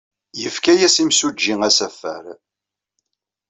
Yefka-as yimsujji asafar.